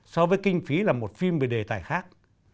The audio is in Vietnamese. so với kinh phí là một phim về đề tài khác